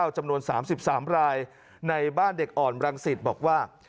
จำนวน๓๓รายในบ้านเด็กอ่อนรังสิตบอกว่า